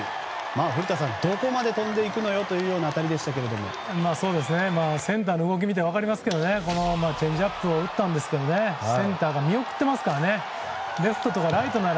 古田さん、どこまで飛んでいくのというセンターの動き見て分かりますけどチェンジアップを打ったんですけどセンターが見送っていますから。